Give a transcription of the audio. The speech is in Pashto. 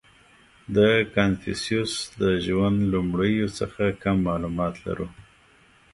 • د کنفوسیوس د ژوند لومړیو څخه کم معلومات لرو.